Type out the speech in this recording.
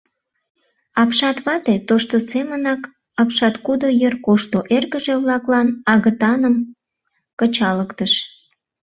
Апшат вате тошто семынак апшаткудо йыр кошто, эргыже-влаклан агытаным кычалыктыш.